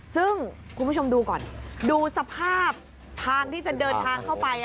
ซึ่งคุณผู้ชมดูก่อนดูสภาพทางที่จะเดินทางเข้าไป